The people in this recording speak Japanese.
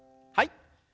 はい。